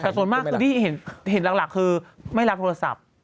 แต่ส่วนมากคือที่เห็นหลักคือไม่รับโทรศัพท์